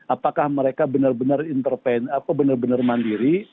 apakah mereka benar benar mandiri